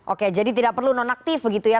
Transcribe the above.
oke jadi tidak perlu nonaktif begitu ya